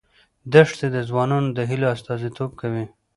دښتې د ځوانانو د هیلو استازیتوب کوي.